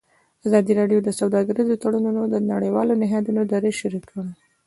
ازادي راډیو د سوداګریز تړونونه د نړیوالو نهادونو دریځ شریک کړی.